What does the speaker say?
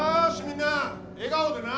みんな笑顔でな